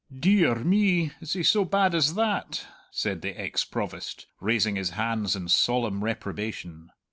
"De ar me, is he so bad as that?" said the ex Provost, raising his hands in solemn reprobation.